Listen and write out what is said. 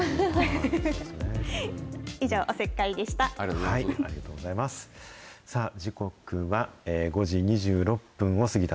以上、おせっかいでした。